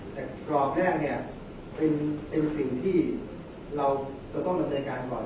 แต่กรอบแพ่งเนี่ยเป็นสิ่งที่เราจะต้องดำเนินการก่อน